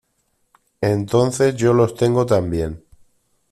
Entonces yo los tengo también.